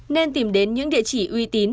nên tìm đến những địa chỉ uy tín